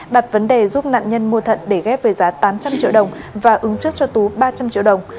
đặt vấn đề giúp nạn nhân mua thận để ghép về giá tám trăm linh triệu đồng và ứng trước cho tú ba trăm linh triệu đồng